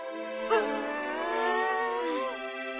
うん。